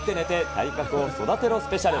体格を育てろスペシャル。